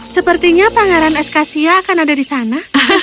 sepertinya pangeran eskasia akan ada di sana